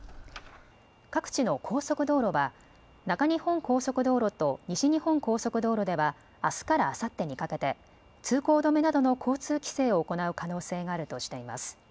各地の高速道路は中日本高速道路と西日本高速道路ではあすからあさってにかけて通行止めなどの交通規制を行う可能性があるとしています。